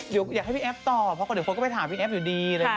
เดี๋ยวอยากให้พี่แอฟตอบเพราะเดี๋ยวคนก็ไปถามพี่แอฟอยู่ดี